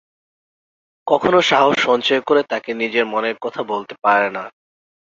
কখনও সাহস সঞ্চয় করে তাকে নিজের মনের কথা বলতে পারে না।